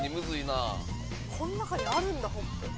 この中にあるんだホップ。